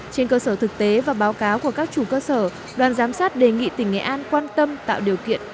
trên cơ sở thực tế và báo cáo của các chủ cơ sở đoàn giám sát đề nghị tỉnh nghệ an quan tâm tạo điều kiện